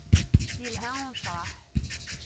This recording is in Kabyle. Yelha unecreḥ.